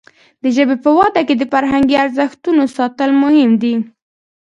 د ژبې په وده کې د فرهنګي ارزښتونو ساتل مهم دي.